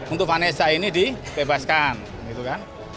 untuk vanessa ini dibebaskan